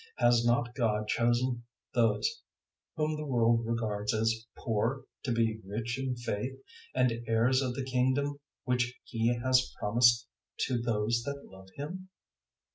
Has not God chosen those whom the world regards as poor to be rich in faith and heirs of the Kingdom which He has promised to those that love Him?